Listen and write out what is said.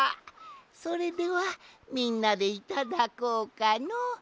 それではみんなでいただこうかのう。